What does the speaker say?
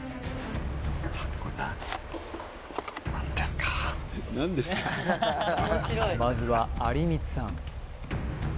これなまずは有光さん